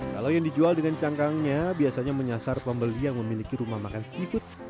kalau yang dijual dengan cangkangnya biasanya menyasar pembeli yang memiliki rumah makan seafood